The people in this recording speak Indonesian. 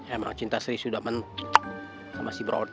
emang cinta sri sudah mencukup sama si brody